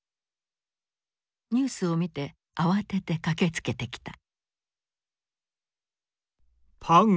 ニュースを見て慌てて駆けつけてきた。